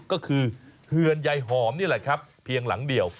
ก็คือเฮือนยายหอมนี่แหละครับเพียงหลังเดียว